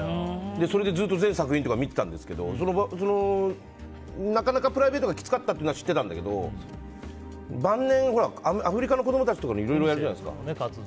それでずっと全作品とか見てたんですけどなかなかプライベートがきつかったというのは知ってたんだけど晩年、アフリカの子供たちとかにいろいろやるじゃないですか。